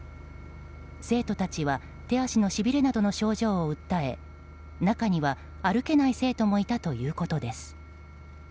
生徒たちは手足のしびれなどの症状を訴え中には歩けない生徒もいたということです。